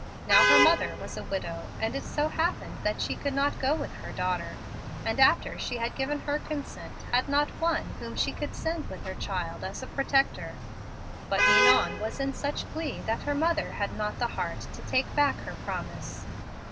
Now her mother was a widow, and it so happened that she could not go with her daughter, and after she had given her consent had not one whom she could send with her child as a protector. But Ninon was in such glee that her mother had not the heart to take back her promise.